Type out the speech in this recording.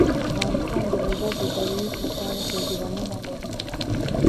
افغانستان د لوگر د ترویج لپاره پروګرامونه لري.